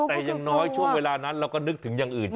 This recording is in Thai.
แต่อย่างน้อยช่วงเวลานั้นเราก็นึกถึงอย่างอื่น